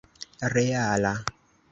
reala